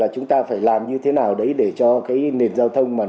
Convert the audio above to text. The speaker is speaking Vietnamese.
chúng ta phải làm như thế nào để cho nền giao thông